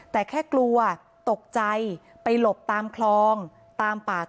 แต่แค่กลัวตกใจไปหลบตามคลองตามปาก